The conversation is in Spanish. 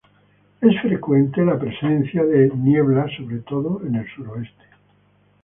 Es frecuente la presencia de niebla sobre todo en el suroeste.